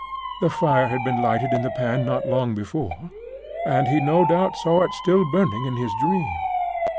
The fire had been lighted in the pan not long before, and he no doubt saw it still burning in his dream.